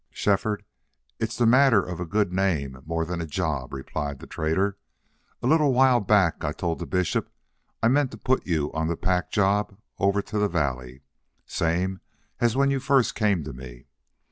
"Shefford, it's the matter of a good name more than a job," replied the trader. "A little while back I told the bishop I meant to put you on the pack job over to the valley same as when you first came to me.